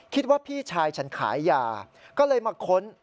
คิดว่าพี่ชายฉันขายยาก็เลยมาขน